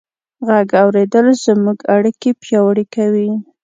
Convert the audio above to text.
غږ اورېدل زموږ اړیکې پیاوړې کوي.